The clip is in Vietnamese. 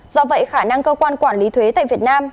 do vậy khả năng cơ quan quản lý thuế tại việt nam